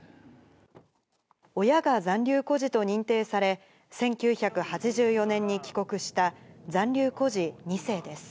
親が残留孤児と認定され、１９８４年に帰国した、残留孤児２世です。